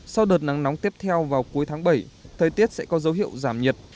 sau đợt nắng nóng tiếp theo vào cuối tháng bảy thời tiết sẽ có dấu hiệu giảm nhiệt